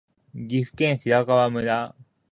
岐阜県白川村